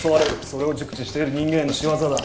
それを熟知している人間の仕業だ。